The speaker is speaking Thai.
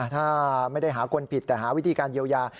ถ้าไม่ได้หาคนผิดแต่หาวิธีการเยียวยา